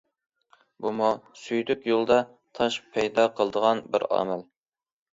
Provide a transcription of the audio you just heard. بۇمۇ سۈيدۈك يولىدا تاش پەيدا قىلىدىغان بىر ئامىل.